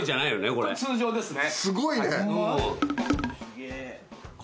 これ通常ですね。